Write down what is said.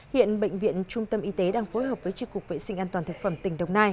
hiện bệnh viện trung tâm y tế đang phối hợp với tri cục vệ sinh an toàn thực phẩm tỉnh đồng nai